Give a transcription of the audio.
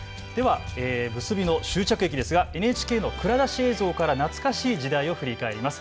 結びの終着駅ですが、ＮＨＫの蔵出し映像から懐かしい時代を振り返ります。